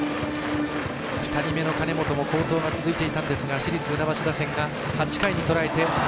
２人目の金本も好投が続いていたんですが市立船橋打線が８回にとらえて。